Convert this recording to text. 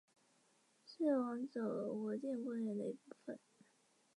球队参加捷克足球甲级联赛的赛事。